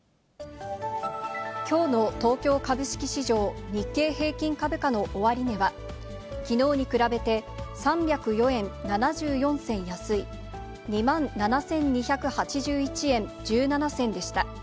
きょうの東京株式市場、日経平均株価の終値は、きのうに比べて３０４円７４銭安い、２万７２８１円１７銭でした。